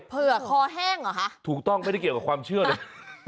เผื่อคอแห้งเหรอคะถูกต้องไม่ได้เกี่ยวกับความเชื่อเลย